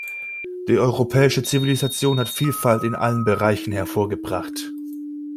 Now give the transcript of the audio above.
Die europäische Zivilisation hat Vielfalt in allen Bereichen hervorgebracht.